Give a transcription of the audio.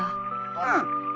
うん。